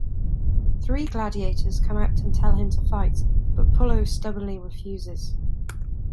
Three gladiators come out and tell him to fight, but Pullo stubbornly refuses.